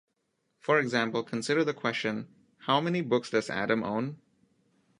For example, consider the question How many books does Adam own?